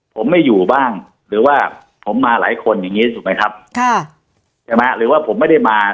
ผมไม่อยู่บ้างหรือว่าผมมาหลายคนอย่างงี้ถูกไหมครับค่ะใช่ไหมหรือว่าผมไม่ได้มา